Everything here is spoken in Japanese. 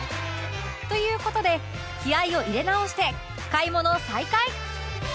という事で気合を入れ直して買い物を再開